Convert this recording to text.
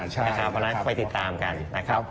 เพราะฉะนั้นไปติดตามกันนะครับ